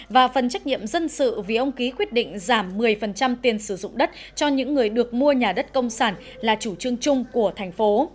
và phần trách nhiệm dân sự vì ông ký quyết định giảm một mươi tiền sử dụng đất cho những người được mua nhà đất công sản là chủ trương chung của thành phố